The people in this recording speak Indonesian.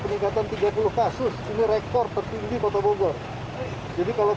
pembatasan tersebut diperlukan untuk mengembangkan keuntungan masyarakat